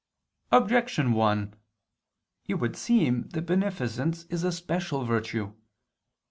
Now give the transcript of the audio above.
Objection 1: It would seem that beneficence is a special virtue.